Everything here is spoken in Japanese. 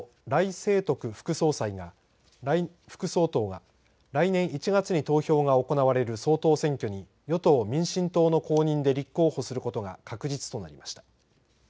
清徳副総統が来年１月に投票が行われる総統選挙により与党、民進党の公認で立候補することが確実となりました。